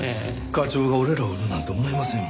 課長が俺らを売るなんて思いませんもん。